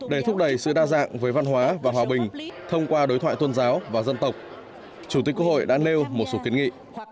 để thúc đẩy sự đa dạng với văn hóa và hòa bình thông qua đối thoại tôn giáo và dân tộc chủ tịch quốc hội đã nêu một số kiến nghị